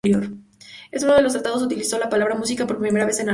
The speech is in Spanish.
En uno de sus tratados utilizó la palabra música por primera vez en árabe.